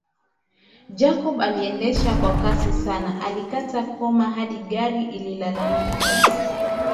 Jacob aliendesha kwa kasi sana alikata kona hadi gari ililalamika